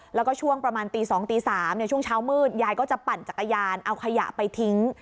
แล้วก็ช่วงประมาณตี๒ตี๓ช่วงเช้ามืดยายก็จะปั่นจักรยานเอาขยะไปทิ้ง